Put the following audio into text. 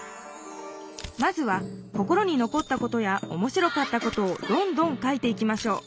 まずは心にのこったことやおもしろかったことをどんどん書いていきましょう。